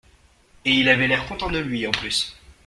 Et il avait l’air content de lui, en plus!